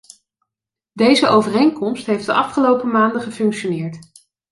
Deze overeenkomst heeft de afgelopen maanden gefunctioneerd.